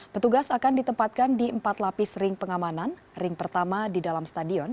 petugas akan ditempatkan di empat lapis ring pengamanan ring pertama di dalam stadion